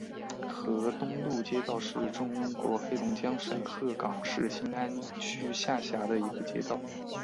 河东路街道是中国黑龙江省鹤岗市兴安区下辖的一个街道。